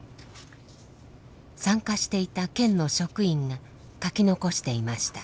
参加していた県の職員が書き残していました。